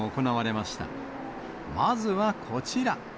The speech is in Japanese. まずはこちら。